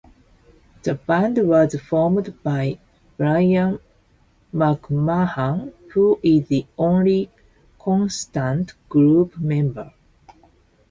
The band was formed by Brian McMahan, who is the only constant group member.